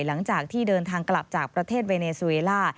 หลังจากที่เดินทางกลับจากประเทศเวเนซูเอล่า